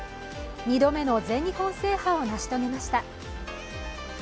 ２度目の全日本制覇を成し遂げました。